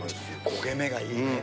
焦げ目がいい。